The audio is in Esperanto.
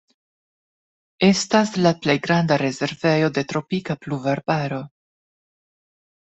Estas la plej granda rezervejo de tropika pluvarbaro.